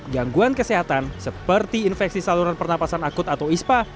gangguan kesehatan seperti infeksi saluran pernapasan akut atau ispa